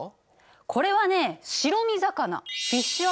これはね白身魚。